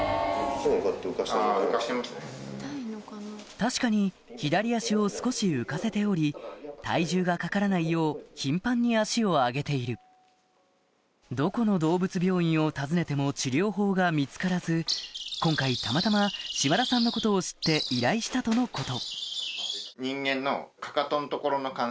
確かに左足を少し浮かせており体重がかからないよう頻繁に足を上げているどこの動物病院を訪ねても治療法が見つからず今回たまたま島田さんのことを知って依頼したとのこと